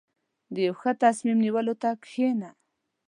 • د یو ښه تصمیم نیولو ته کښېنه.